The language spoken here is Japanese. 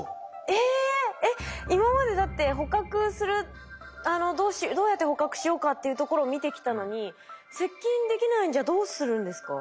えっ今までだって捕獲するどうやって捕獲しようかっていうところ見てきたのに接近できないんじゃどうするんですか？